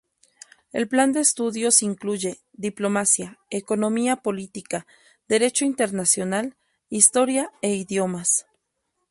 El plan de estudios incluye Diplomacia, Economía Política, Derecho Internacional, Historia e idiomas.